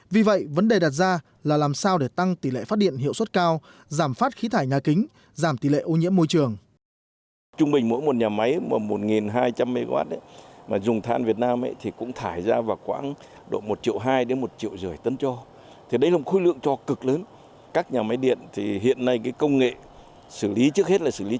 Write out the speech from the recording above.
vì vậy vấn đề đặt ra là làm sao để tăng tỷ lệ phát điện hiệu suất cao giảm phát khí thải nga kính giảm phát khí thải nga kính giảm phát khí thải nga kính